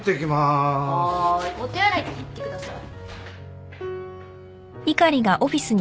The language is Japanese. お手洗いって言ってください。